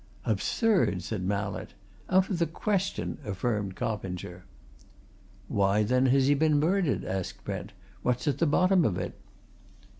"Absurd!" said Mallett. "Out of the question!" affirmed Coppinger. "Why then, has he been murdered?" asked Brent. "What's at the bottom of it?"